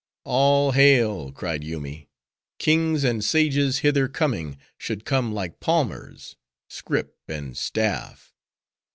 "All hail!" cried Yoomy. "Kings and sages hither coming, should come like palmers,—scrip and staff!